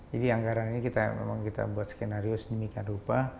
jadi anggaran ini memang kita buat skenario senyum ikan rupa